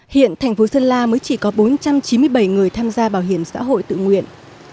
hiện thành phố sơn la mới chỉ có bốn trăm chín mươi bảy người tham gia bảo hiểm xã hội tự nguyện